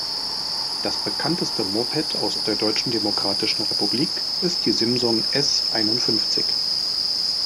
Das bekannteste Moped aus der Deutschen Demokratischen Republik ist die Simson S einundfünfzig.